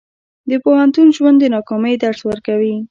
د پوهنتون ژوند د ناکامۍ درس ورکوي.